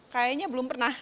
kayaknya belum pernah